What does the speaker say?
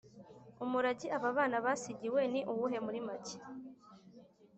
Umurage aba bana basigiwe ni uwuhe muri make?